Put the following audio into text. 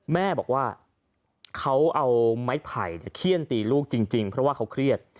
แม่บอกว่าเขาเอาไม้ไผ่เขี้ยนตีลูกจริงเพราะว่าเขาเครียด